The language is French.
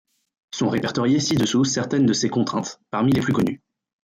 Sont répertoriées ci-dessous certaines de ces contraintes, parmi les plus connues.